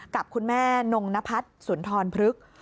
กับคุณแม่นงนพัฒน์สุนทรพฤกษ์